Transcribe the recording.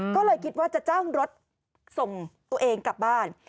ก็เลยคิดว่าจะจ้างรถส่งตัวเองกลับบ้าน